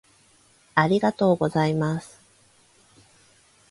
ありがとうございます